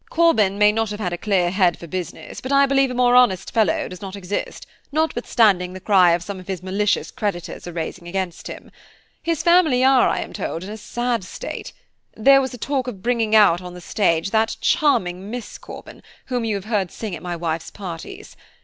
"Corban may not have had a clear head for business, but I believe a more honest fellow does not exist, notwithstanding the cry some of his malicious creditors are raising against him. His family are, I am told, in a sad state. There was a talk of bringing out on the stage that charming Miss Corban, whom you have heard sing at my wife's parties.